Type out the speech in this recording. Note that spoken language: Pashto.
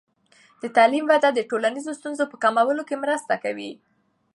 د تعلیم وده د ټولنیزو ستونزو په کمولو کې مرسته کوي.